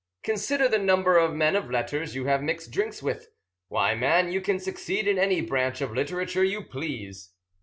Consider the number of men of letters you have mixed drinks with! Why, man, you can succeed in any branch of literature you please.'"